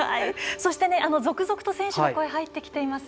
そして、続々と選手の声入ってきています。